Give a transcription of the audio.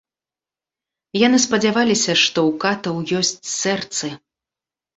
Яны спадзяваліся, што ў катаў ёсць сэрцы.